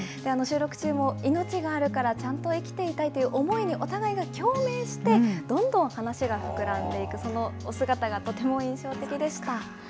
収録中も、命があるからちゃんと生きていたいという思いにお互いが共鳴して、どんどん話が膨らんでいく、そのお姿が、とても印象的でした。